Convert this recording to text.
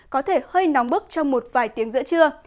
có thể hơi nóng bức trong một vài tiếng giữa trưa